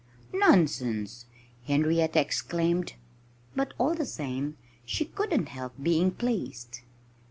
"Nonsense!" Henrietta exclaimed. But, all the same, she couldn't help being pleased.